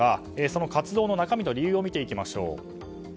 その活動の中身と理由を見ていきましょう。